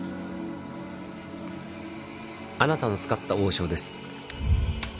あなたの使った王将です。